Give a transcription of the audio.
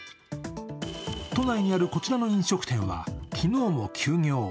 都内にあるこちらの飲食店は昨日も休業。